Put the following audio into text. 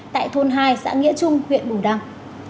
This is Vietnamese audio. tại thôn hai xã nghĩa trung huyện bù đăng